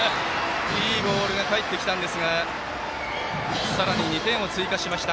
いいボールがかえってきたんですがさらに２点を追加しました。